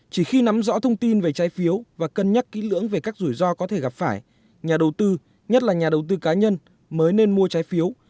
chỉ khi nắm rõ thông tin về trái phiếu và cân nhắc kỹ lưỡng về các rủi ro có thể gặp phải nhà đầu tư nhất là nhà đầu tư cá nhân mới nên mua trái phiếu